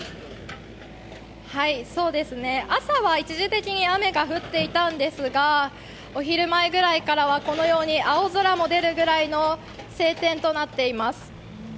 そうですね、朝は一時的に雨が降っていたんですがお昼前ぐらいからは、このように青空も出るぐらいの晴天となっています。